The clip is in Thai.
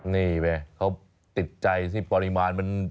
นี่ไงเขาติดใจสิปริมาณมัน